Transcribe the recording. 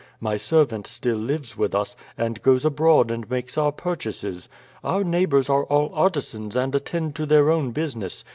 My servant still lives with us, and goes abroad and makes our purchases. Our neighbours are all artisans and attend to their own business.